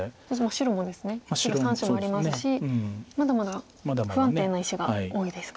白３子もありますしまだまだ不安定な石が多いですか。